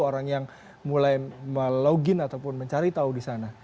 orang yang mulai melogin ataupun mencari tahu di sana